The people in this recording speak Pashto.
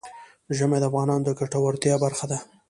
ژمی د افغانانو د ګټورتیا برخه ده.